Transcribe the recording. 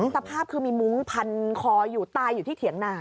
สภาพคือมีมุ้งพันคออยู่ตายอยู่ที่เถียงนา